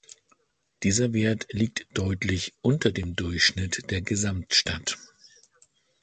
Dieser Wert liegt deutlich unter dem Durchschnitt der Gesamtstadt.